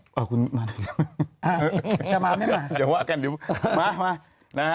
ว้างเด็กว้าง